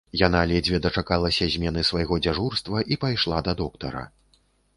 Яна ледзьве дачакалася змены свайго дзяжурства і пайшла да доктара.